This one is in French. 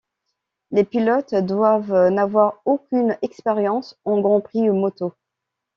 Les pilotes doivent n'avoir aucune expérience en Grand Prix moto.